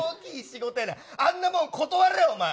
あんなもん断れ、お前。